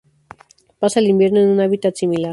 Pasa el invierno en un hábitat similar.